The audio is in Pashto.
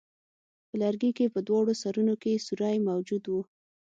په لرګي کې په دواړو سرونو کې سوری موجود وو.